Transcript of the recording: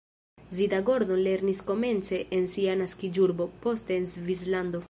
Zita Gordon lernis komence en sia naskiĝurbo, poste en Svislando.